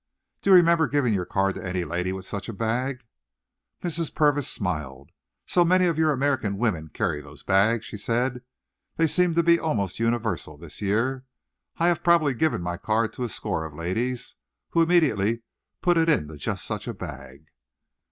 "Do you remember giving your card to any lady with such a bag?" Mrs. Purvis smiled. "So many of your American women carry those bags," she said; "they seem to be almost universal this year. I have probably given my card to a score of ladies, who immediately put it into just such a bag."